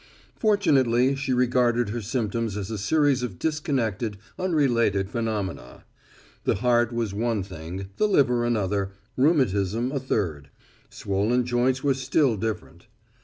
Fortunately she regarded her symptoms as a series of disconnected, unrelated phenomena. The heart was one thing, the liver another, rheumatism a third. Swollen joints were still different.